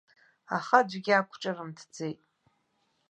Аха аӡәгьы ақәҿырымҭӡеит.